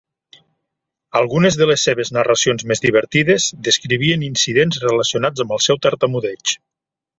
Algunes de les seves narracions més divertides descrivien incidents relacionats amb el seu tartamudeig.